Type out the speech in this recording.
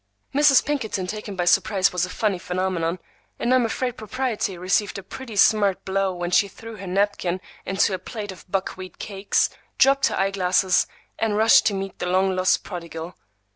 Mrs. Pinkerton taken by surprise was a funny phenomenon, and I'm afraid propriety received a pretty smart blow when she threw her napkin into a plate of buckwheat cakes, dropped her eye glasses, and rushed to meet the long lost prodigal.